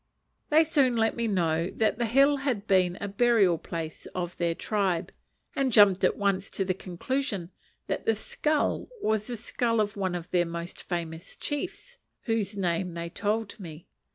They soon let me know that the hill had been a burial place of their tribe, and jumped at once to the conclusion that the skull was the skull of one of their most famous chiefs; whose name they told me.